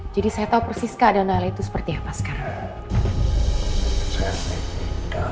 jadi saya tahu persis keadaan nailah itu seperti apa sekarang